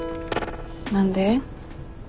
何で？